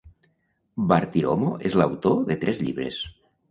Bartiromo és l'autor de tres llibres.